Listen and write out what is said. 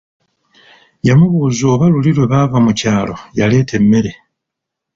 Yamubuuza oba luli lwe baava mu kyalo yaleeta emmere.